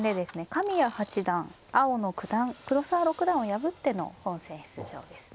神谷八段青野九段黒沢六段を破っての本戦出場ですね。